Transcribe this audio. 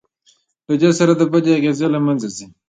له دې سره د بدۍ اغېز له منځه ځي.